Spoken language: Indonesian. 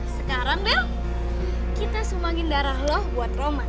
sekarang bel kita sumbangin darah loh buat roman